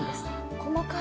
細かい！